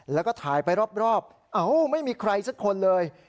แล้วก็ถ่ายไปรอบเอ้าไม่มีใครสักคนเลย